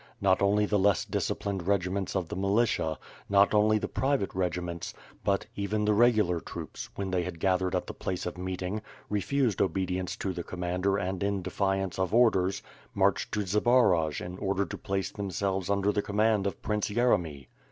Not only the less disciplined legiments of the militia, not only the private regiments, but, even the regular troops, when they had gathered at the place of meeting, refused obedience to the Commander and in defiance of orders marched to Zbaraj in order to place themselves under the command of Prince Yeremy.